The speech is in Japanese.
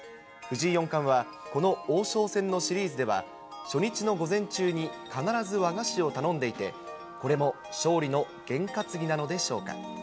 藤井四冠は、この王将戦のシリーズでは、初日の午前中に必ず和菓子を頼んでいて、これも勝利の験担ぎなのでしょうか。